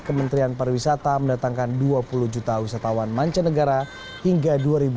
kementerian pariwisata mendatangkan dua puluh juta wisatawan mancanegara hingga dua ribu dua puluh